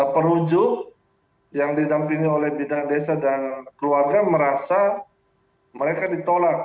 perujuk yang didampingi oleh bidang desa dan keluarga merasa mereka ditolak